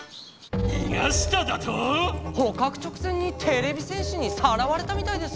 にがしただと⁉ほかく直前にてれび戦士にさらわれたみたいです。